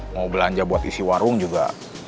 mau belanja buat isi warung juga